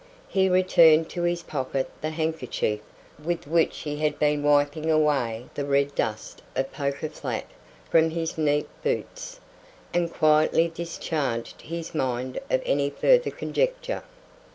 He returned to his pocket the handkerchief with which he had been whipping away the red dust of Poker Flat from his neat boots, and quietly discharged his mind of any further conjecture.